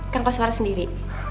kang koswara sendiri